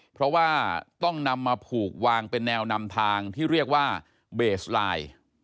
เพราะว่าต้องนำมาผูกวางเป็นแนวนำทางที่เรียกว่าเบสไลน์